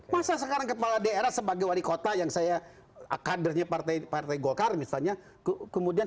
masa sekarang kepala daerah sebagai warikota yang saya akadernya partai partai gokar misalnya kemudian